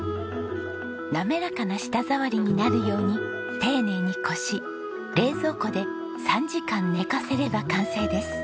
滑らかな舌触りになるように丁寧にこし冷蔵庫で３時間寝かせれば完成です。